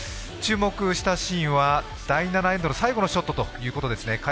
注目したシーンは第７エンドの最後のショットということですね。